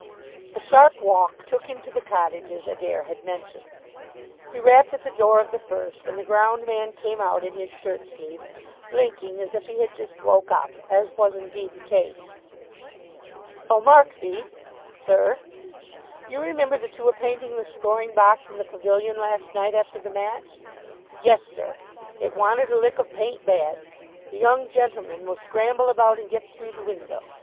A sharp walk took him to the cottages Adair had mentioned. He rapped at the door of the first, and the ground man came out in his shirt sleeves, blinking as if he had just woke up, as was indeed the case. "Oh, Markby!" "Sir?" "You remember that you were painting the scoring box in the pavilion last night after the match?" "Yes, sir. It wanted a lick of paint bad. The young gentlemen will scramble about and get through the window.